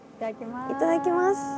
いただきます。